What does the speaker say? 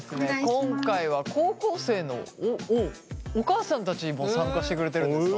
今回は高校生のお母さんたちも参加してくれてるんですか？